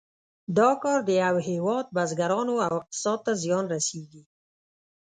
دا کار د یو هېواد بزګرانو او اقتصاد ته زیان رسیږي.